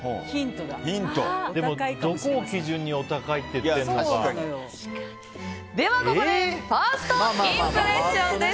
でも、どこを基準にでは、ここでファーストインプレッションです。